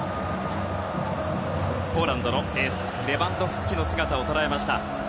ポーランドのエースレバンドフスキの姿を捉えました。